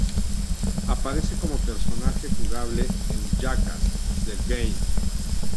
Aparece como personaje jugable en "Jackass" The Game.